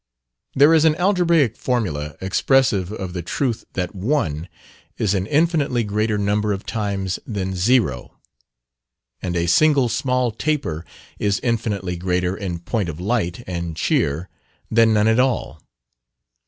There is an algebraic formula expressive of the truth that "1" is an infinitely greater number of times than "0." And a single small taper is infinitely greater in point of light and cheer than none at all.